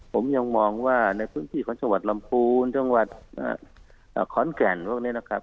ผมยังมองว่าในพื้นที่ของจังหวัดลำพูนจังหวัดขอนแก่นพวกนี้นะครับ